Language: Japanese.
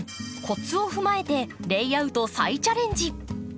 コツを踏まえてレイアウト再チャレンジ。